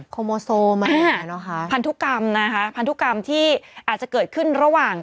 โมโซมาพันธุกรรมนะคะพันธุกรรมที่อาจจะเกิดขึ้นระหว่าง